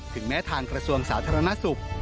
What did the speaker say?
แม้ทางกระทรวงสาธารณสุข